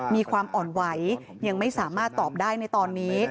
มีความอ่อนไหวยังไม่สามารถตอบได้ในตอนนี้